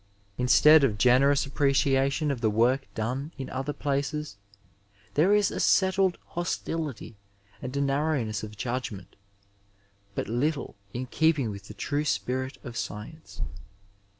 In stead of a generous appreciation of the work done in otiier places, there is a settied hostility and a narrowness of judgment but littie in keeping with the true spirit of science.